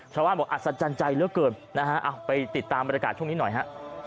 ชาวบ้านบอกอัศจรรย์ใจเหลือเกินนะฮะไปติดตามบรรยากาศช่วงนี้หน่อยฮะ